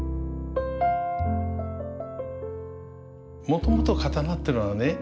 もともと刀ってのはね